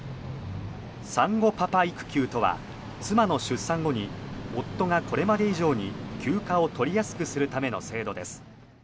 産後パパ育休とは妻の出産後に夫がこれまで以上に休暇を取りやすくするための制度です。